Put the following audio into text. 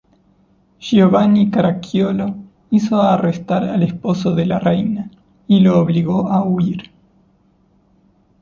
Giovanni Caracciolo hizo arrestar al esposo de la reina, y lo obligó a huir.